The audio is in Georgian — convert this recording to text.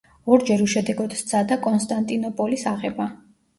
ორჯერ უშედეგოდ სცადა კონსტანტინოპოლის აღება.